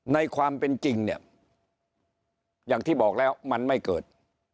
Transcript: ในความเป็นจริงเนี่ยอย่างที่บอกแล้วมันไม่เกิด